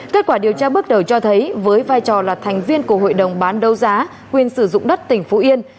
kết quả điều tra bước đầu cho thấy với vai trò là thành viên của hội đồng bán đấu giá quyền sử dụng đất tỉnh phú yên